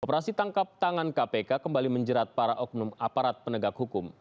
operasi tangkap tangan kpk kembali menjerat para oknum aparat penegak hukum